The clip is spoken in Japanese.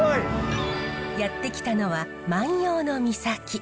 やって来たのは万葉の岬。